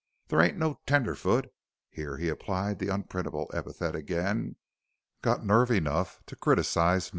There ain't no tenderfoot (here he applied the unprintable epithet again) got nerve enough to criticize nothin'!"